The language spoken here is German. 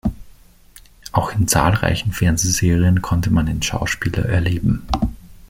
Auch in zahlreichen Fernsehserien konnte man den Schauspieler erleben.